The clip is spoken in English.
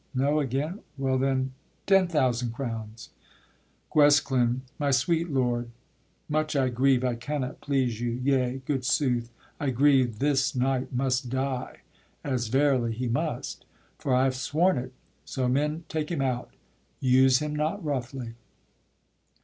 No again? well then, Ten thousand crowns? GUESCLIN. My sweet lord, much I grieve I cannot please you, yea, good sooth, I grieve This knight must die, as verily he must; For I have sworn it, so men take him out, Use him not roughly.